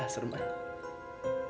ah serem ah